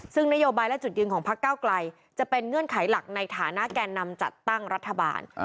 ซึ่งนโยบายและจุดยืนของพักเก้าไกลจะเป็นเงื่อนไขหลักในฐานะแก่นำจัดตั้งรัฐบาล